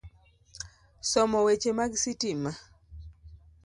Somo weche mag sitima,